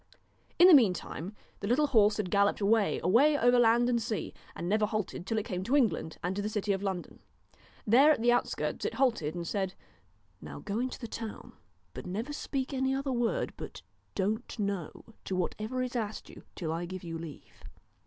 In the meantime the little horse had galloped away, away over land and sea, and never halted till it came to England and to the city of London. There, at the outskirts, it halted, and said : Now go into the town, but never speak any other word but Don't know to whatever is asked you, till I give you leave.'